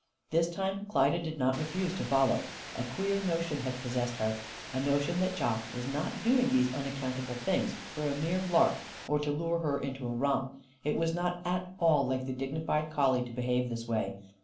This time Klyda did not refuse to follow. A queer notion had possessed her a notion that Jock was not doing these unaccountable things for a mere lark or to lure her into a romp. It was not at all like the dignified collie to behave this way.